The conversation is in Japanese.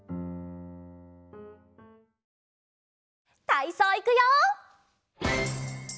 たいそういくよ！